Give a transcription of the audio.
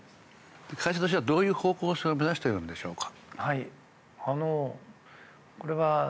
会社としてはどういう方向性を目指してるんでしょうか？